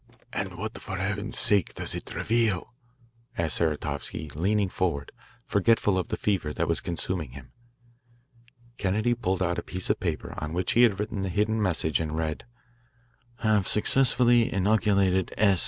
"And what for Heaven's sake does it reveal?" asked Saratovsky, leaning forward, forgetful of the fever that was consuming him. Kennedy pulled out a piece of paper on which he had written the hidden message and read: "Have successfully inoculated S.